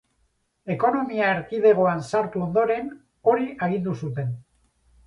Ekonomia Erkidegoan sartu ondoren hori agindu zuten.